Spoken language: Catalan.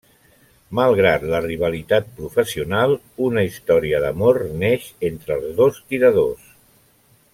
Malgrat la rivalitat professional, una història d'amor neix entre els dos tiradors.